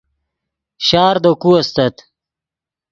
شار دے کو استت